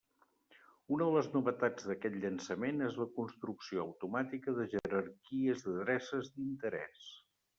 Una de les novetats d'aquest llançament és la construcció automàtica de jerarquies d'adreces d'interès.